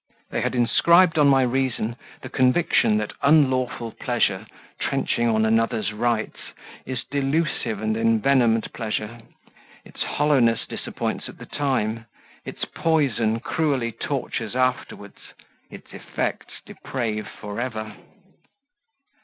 They had inscribed on my reason the conviction that unlawful pleasure, trenching on another's rights, is delusive and envenomed pleasure its hollowness disappoints at the time, its poison cruelly tortures afterwards, its effects deprave for ever.